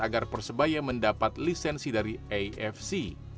agar persebaya mendapat lisensi dari afc